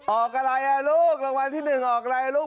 ออกอะไรอะลูกละวันที่หนึ่งออกอะไรอรุณหลัง